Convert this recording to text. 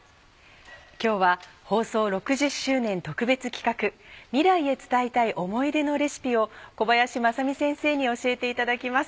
今日は放送６０周年特別企画未来へ伝えたい思い出のレシピを小林まさみ先生に教えていただきます。